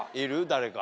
誰か。